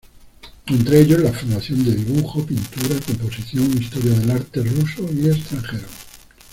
Entre ellos la formación de dibujo, pintura, composición, historia del arte ruso y extranjero.